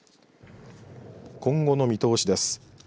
今後の見通しです。